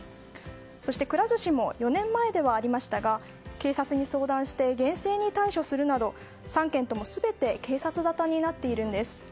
そして、くら寿司も４年前ではありましたが警察に相談して厳正に対処するなど３件とも全て警察沙汰になっています。